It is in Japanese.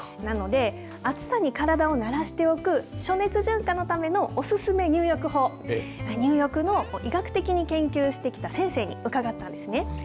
暑さに体を慣らしておく暑熱順化のためのおすすめ入浴法入浴を医学的に研究してきた先生に伺ったんですね。